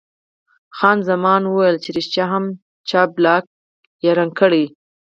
خان زمان ویل چې ریښتیا هم جاپلاک یې رنګ کړی.